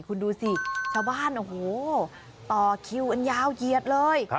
คุณดูสิชาวบ้านโอ้โหต่อคิวกันยาวเหยียดเลย